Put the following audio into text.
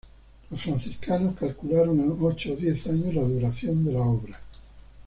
Los Franciscanos calcularon en ocho o diez años la duración de la obra.